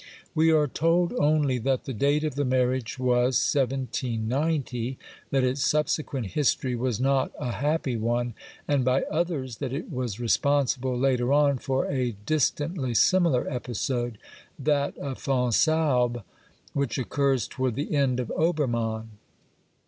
We are told only that the date of the marriage was 1790, that its subsequent history was not a happy one, and, by others, that it was responsible later on for a distantly similar episode — that of Fonsalbe — which occurs towards the end of Obermann.